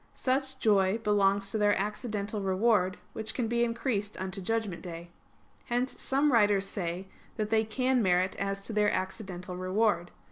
Such joy belongs to their accidental reward, which can be increased unto judgment day. Hence some writers say that they can merit as to their accidental reward.